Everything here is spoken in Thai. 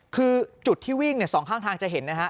คือจุดที่วิ่งสองข้างทางจะเห็นนะฮะ